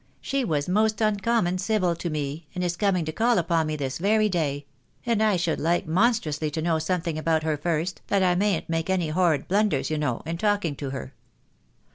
She was most uncommon civil to me, and is coming to call upon me this very day ; and I should like monstrously to know something about her first, that I mayn't make any horrid blunders you know, in talking to her."